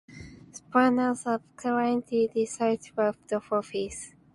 Spooner subsequently declined the office.